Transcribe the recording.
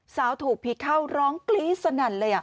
สาวถูกผีเข้าร้องกรี๊ดสนั่นเลย